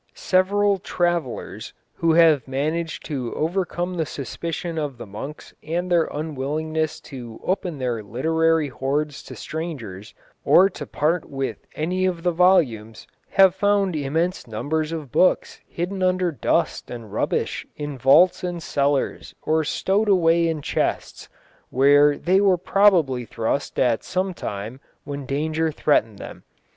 Several travellers who have managed to overcome the suspicion of the monks and their unwillingness to open their literary hoards to strangers, or to part with any of the volumes, have found immense numbers of books hidden under dust and rubbish in vaults and cellars or stowed away in chests, where they were probably thrust at some time when danger threatened them.